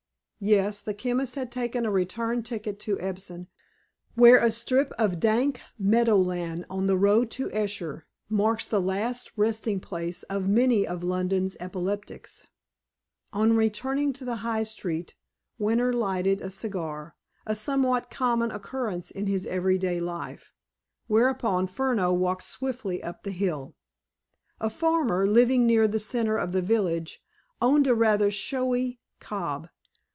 Yes, the chemist had taken a return ticket to Epsom, where a strip of dank meadow land on the road to Esher marks the last resting place of many of London's epileptics. On returning to the high street, Winter lighted a cigar, a somewhat common occurrence in his everyday life, where upon Furneaux walked swiftly up the hill. A farmer, living near the center of the village, owned a rather showy cob.